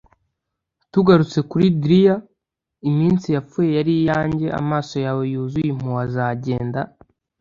tugarutse kuri drear, iminsi yapfuye yari iyanjye amaso yawe yuzuye impuhwe azagenda.